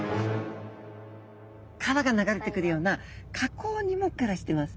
川が流れてくるような河口にも暮らしてます。